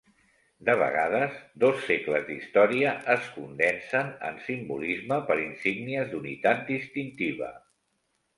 De vegades dos segles d'història es condensen en simbolisme per insígnies d'unitat distintiva.